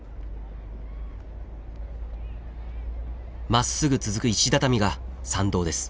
まっすぐ続く石畳が参道です。